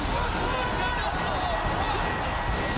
พุทธนีตหลบไป